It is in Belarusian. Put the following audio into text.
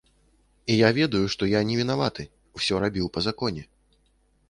І я ведаю, што я не вінаваты, усё рабіў па законе.